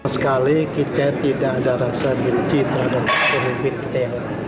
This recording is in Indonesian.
saya tidak berhenti terhadap kemimpinan kita